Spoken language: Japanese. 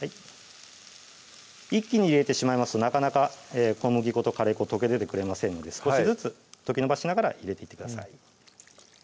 一気に入れてしまいますとなかなか小麦粉とカレー粉溶け出てくれませんので少しずつ溶きのばしながら入れていってください